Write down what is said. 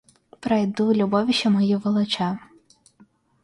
Пройду, любовищу мою волоча.